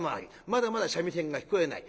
まだまだ三味線が聞こえない。